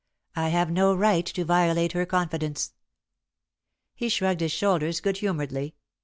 "I have no right to violate her confidence." He shrugged his shoulders good humouredly.